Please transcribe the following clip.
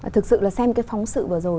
thực sự là xem cái phóng sự vừa rồi